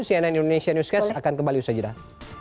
cnn indonesia newscast akan kembali usaha jodoh